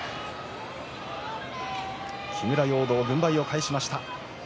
木村容堂、軍配を返しました。